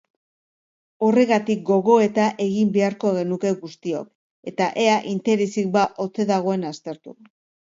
Horregatik gogoeta egin beharko genuke guztiok eta ea interesik ba ote dagoen aztertu.